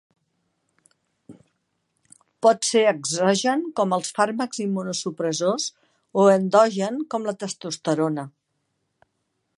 Pot ser exogen com els fàrmacs immunosupressors o endogen com la testosterona.